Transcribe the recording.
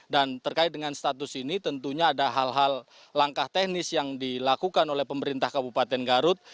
dan terkait dengan status ini tentunya ada hal hal langkah teknis yang dilakukan oleh pemerintah kabupaten garut